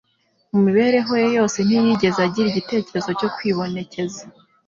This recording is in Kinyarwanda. Mu mibereho ye yose ntiyigeze agira igitekerezo cyo kwibonekeza.